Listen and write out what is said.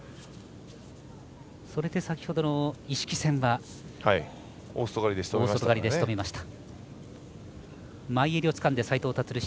それで先ほどの一色戦は大外刈りでしとめました。